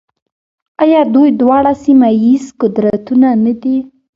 آیا دوی دواړه سیمه ییز قدرتونه نه دي؟